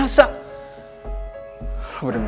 masih kelar banget sih